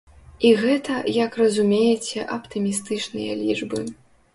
І гэта, як разумееце, аптымістычныя лічбы.